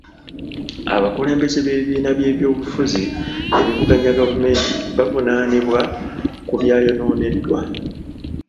Abakulembeze b'ebibiina by'ebyobufuzi ebivuganya gavumenti bavunaanibwa ku byayonooneddwa.